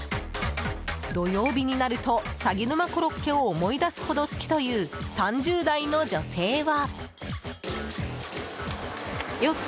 土曜日になるとさぎ沼コロッケを思い出すほど好きという３０代の女性は。